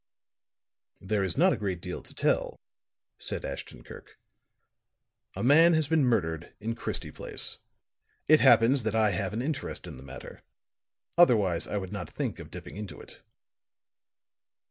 "There is not a great deal to tell," said Ashton Kirk. "A man has been murdered in Christie Place. It happens that I have an interest in the matter; otherwise I would not think of dipping into it."